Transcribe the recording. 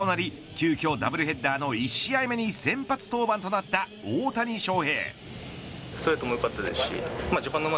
昨日の試合が雨天中止となり急きょダブルヘッダーの１試合目に先発登板となった大谷翔平。